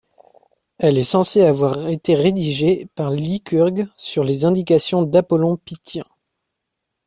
Elle est censée avoir été rédigée par Lycurgue sur les indications d'Apollon pythien.